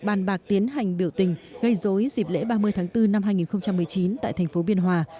bàn bạc tiến hành biểu tình gây dối dịp lễ ba mươi tháng bốn năm hai nghìn một mươi chín tại thành phố biên hòa